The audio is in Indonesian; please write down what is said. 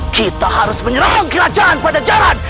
kita harus menyerahkan kerajaan pada jalan